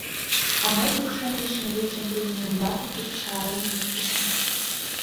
А мый пушеҥге шеҥгечын тудын ӱмбаке пычалым виктышым.